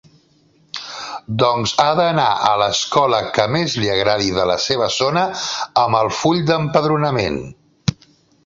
Doncs ha d'anar a l'escola que més li agradi de la seva zona amb el full d'empadronament.